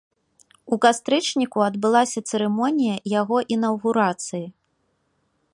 У кастрычніку адбылася цырымонія яго інаўгурацыі.